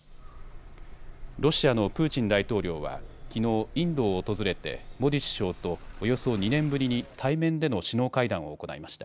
ロシアのプーチン大統領はきのう、インドを訪れてモディ首相とおよそ２年ぶりに対面での首脳会談を行いました。